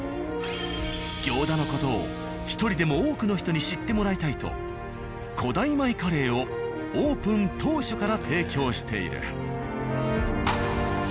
行田の事を１人でも多くの人に知ってもらいたいと古代米カレーをオープン当初から提供している。